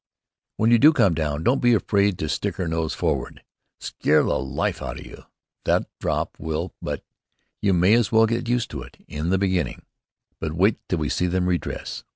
"When you do come down, don't be afraid to stick her nose forward. Scare the life out of you, that drop will, but you may as well get used to it in the beginning." "But wait till we see them redress!